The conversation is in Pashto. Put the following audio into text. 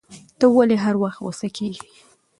ته ولي هر وخت غوسه کیږی